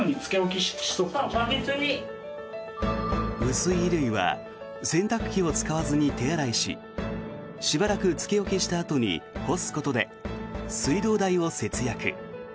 薄い衣類は洗濯機を使わずに手洗いししばらくつけ置きしたあとに干すことで水道代を節約。